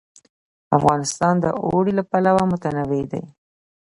افغانستان د اوړي له پلوه متنوع دی.